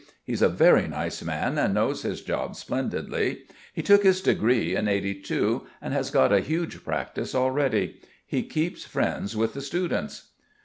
"He's a very nice man, and knows his job splendidly. He took his degree in '82, and has got a huge practice already. He keeps friends with the students."